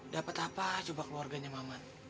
dapet apa coba keluarganya maman